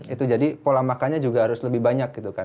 itu jadi pola makannya juga harus lebih banyak gitu kan